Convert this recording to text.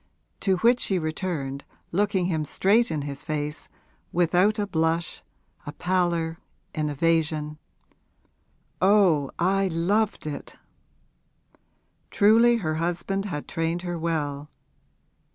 To which she returned, looking him straight in his face, without a blush, a pallor, an evasion, 'Oh, I loved it!' Truly her husband had trained her well.